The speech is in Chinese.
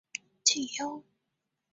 这与汽油的理论比能相媲美。